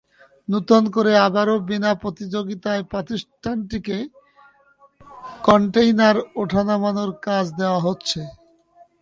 নতুন করে আবারও বিনা প্রতিযোগিতায় প্রতিষ্ঠানটিকে কনটেইনার ওঠানো-নামানোর কাজ দেওয়া হচ্ছে।